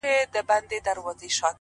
• جانه ته ځې يوه پردي وطن ته؛